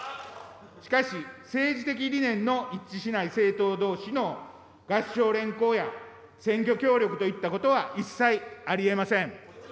しかし、政治的理念の一致しない政党どうしのがっしょうれんこうや選挙協力といったことは一切ありえません。